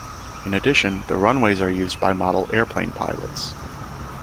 In addition, the runways are used by model airplane pilots.